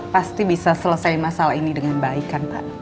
pasti bisa selesai masalah ini dengan baik kan pak